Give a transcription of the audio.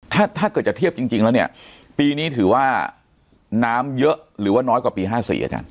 ถ้าถ้าเกิดจะเทียบจริงแล้วเนี่ยปีนี้ถือว่าน้ำเยอะหรือว่าน้อยกว่าปี๕๔อาจารย